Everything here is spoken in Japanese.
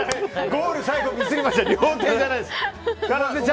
ゴール、最後ミスりました。